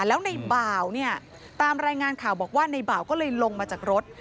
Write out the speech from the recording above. แล้วในบ่าวเนี่ยตามรายงานข่าวบอกว่าในบ่าวก็เลยลงมาจากรถ